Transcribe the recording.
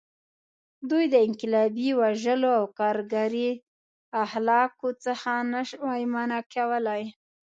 دوی د انقلابي وژلو او کارګري اخلاقو څخه نه شوای منع کولی.